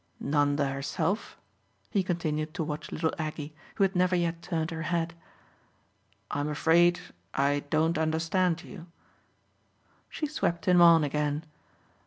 "Nanda herself?" He continued to watch little Aggie, who had never yet turned her head. "I'm afraid I don't understand you." She swept him on again.